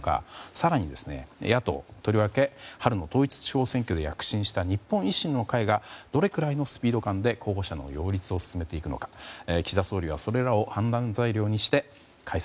更に、野党とりわけ春の統一地方選挙で躍進した日本維新の会がどのくらいのスピード感で候補者の擁立を進めていくのかよしこい！